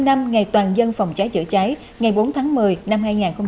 một mươi năm năm ngày toàn dân phòng cháy chữa cháy ngày bốn tháng một mươi năm hai nghìn một